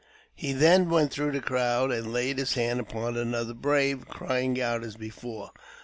He then went through the crowd, and laid his hand upon another brave, crying out as before.